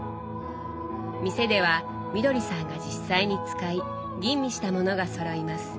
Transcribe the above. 店ではみどりさんが実際に使い吟味した物がそろいます。